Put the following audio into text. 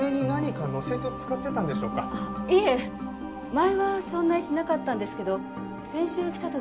前はそんな石なかったんですけど先週来た時に。